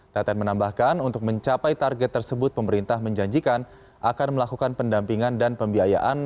teten menambahkan untuk mencapai target tersebut pemerintah menjanjikan akan melakukan pendampingan dan pembiayaan